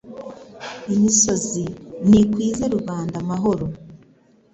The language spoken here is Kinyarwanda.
Imisozi nikwize rubanda amahoro